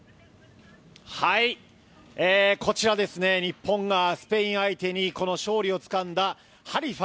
こちら日本がスペイン相手にこの勝利をつかんだハリファ